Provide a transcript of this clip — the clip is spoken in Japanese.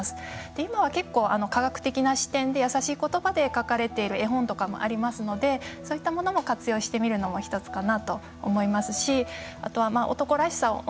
今は結構科学的な視点でやさしいことばで書かれている絵本とかもありますのでそういったものも活用してみるのも１つかなと思いますし。